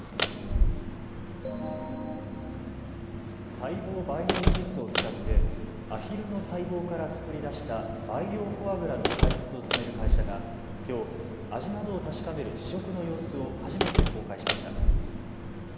細胞培養技術を使ってアヒルの細胞から作り出した培養フォアグラの開発を進める会社がきょう、味などを確かめる試食の様子を初めて公開しました。